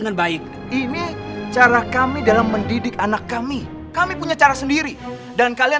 sampai jumpa di video selanjutnya